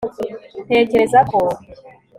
ntekereza ko